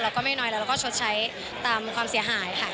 ก็ไม่น้อยแล้วเราก็ชดใช้ตามความเสียหายค่ะ